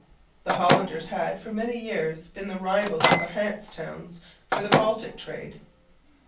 The Hollanders had for many years been the rivals of the Hanse Towns for the Baltic trade.